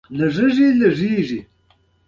د خلکو اساسي حقونه د دوی لپاره بېمعنا دي.